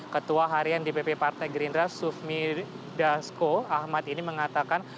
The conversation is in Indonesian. ketua harian dpp partai gerindra sufmi dasko ahmad ini mengatakan